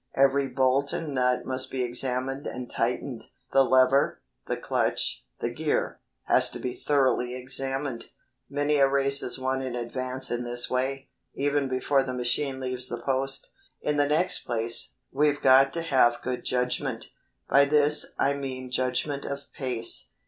Every bolt and nut must be examined and tightened. The lever, the clutch, the gear, has to be thoroughly examined. Many a race is won in advance in this way, even before the machine leaves the post. In the next place, we've got to have good judgment. By this I mean judgment of pace.